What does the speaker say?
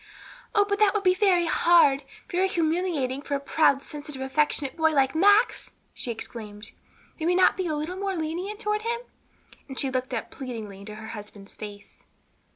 "Oh, that would be very hard, very humiliating for a proud, sensitive, affectionate boy like Max!" she exclaimed. "May we not be a little more lenient toward him?" and she looked up pleadingly into her husband's face.